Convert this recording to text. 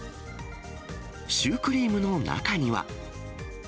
シュークリームの中には。